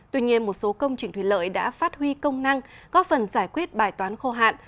tuy nhiên một số công trình thủy lợi đã phát huy công năng góp phần giải quyết bài toán khô hạn